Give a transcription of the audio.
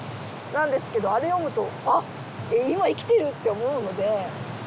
なんですけどあれ読むとあっ今生きてるって思うので。